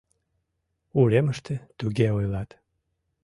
— Уремыште туге ойлат...